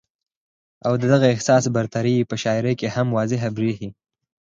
او دغه احساس برتري ئې پۀ شاعرۍ کښې هم واضحه برېښي